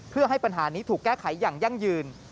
เพื่อให้ปัญหานี้ถูกแก้ไขอย่างยั่งยืน